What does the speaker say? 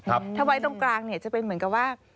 ถ้าไว้ตรงกลางเนี่ยจะเป็นเหมือนกับว่า